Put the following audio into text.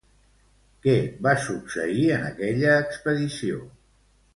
Què va succeir en aquella expedició?